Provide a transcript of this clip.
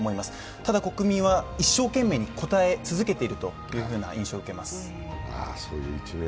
ただ、国民は一生懸命に答え続けているという印象を受けます。